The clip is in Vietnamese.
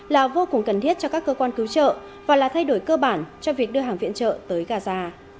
là vô cùng cần thiết cho các cơ quan cứu trợ và là thay đổi cơ bản cho việc đưa hàng viện trợ tới gaza